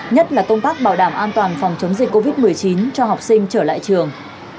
nhất là công tác bảo đảm an toàn phòng chống dịch covid một mươi chín cho học sinh trở lại trường